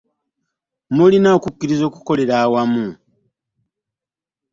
Mulina okukiriza okukolera awamu.